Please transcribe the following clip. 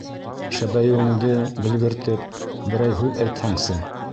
Шәбәйеүеңде белгертеп, берәй һүҙ әйтһәңсе.